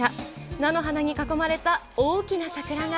菜の花に囲まれた大きな桜が。